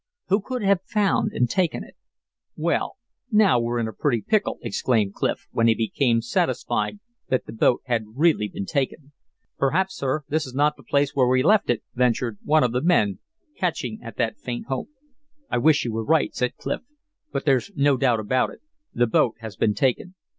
Who could have found and taken it? "Well, now we're in a pretty pickle," exclaimed Clif, when he became satisfied that the boat had really been taken. "Perhaps, sir, this is not the place where we left it," ventured one of the men, catching at that faint hope. "I wish you were right," said Clif, "but there's no doubt about it. The boat has been taken."